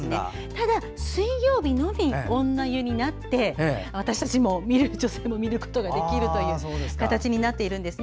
ただ、水曜日のみ女湯になって女性も見ることができる形になっているんです。